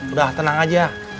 udah tenang aja